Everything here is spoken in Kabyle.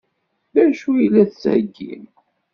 D acu i la d-tettheggim?